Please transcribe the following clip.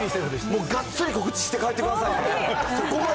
もうがっちり告知して、帰ってください。